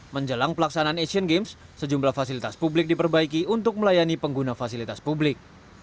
menjelang pelaksanaan asian games sejumlah fasilitas publik diperbaiki untuk melayani pengguna fasilitas publik